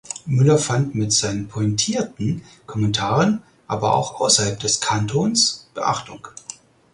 Müller fand mit seinen pointierten Kommentaren aber auch ausserhalb des Kantons Beachtung.